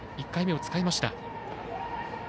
１回目を使いました。